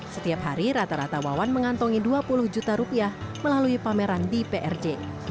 setiap hari rata rata wawan mengantongi dua puluh juta rupiah melalui pameran di prj